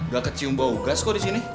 gak kecium bau gas kok di sini